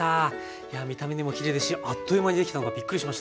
いや見た目にもきれいですしあっという間にできたのがびっくりしました。